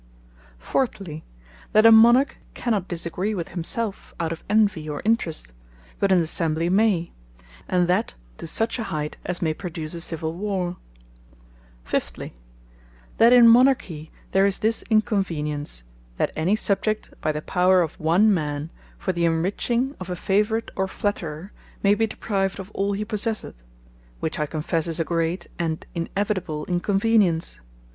Fourthly, that a Monarch cannot disagree with himselfe, out of envy, or interest; but an Assembly may; and that to such a height, as may produce a Civill Warre. Fifthly, that in Monarchy there is this inconvenience; that any Subject, by the power of one man, for the enriching of a favourite or flatterer, may be deprived of all he possesseth; which I confesse is a great and inevitable inconvenience.